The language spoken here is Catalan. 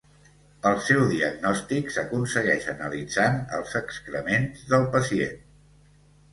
El seu diagnòstic s'aconsegueix analitzant els excrements del pacient.